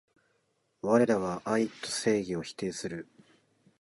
われらは愛と正義を否定する